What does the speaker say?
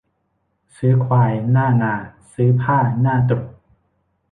ซื้อควายหน้านา ซื้อผ้าหน้าตรุษ